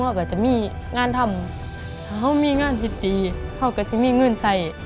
เขาก็จะมีงานทำเขามีงานที่ดีเขาก็จะมีเงินใส่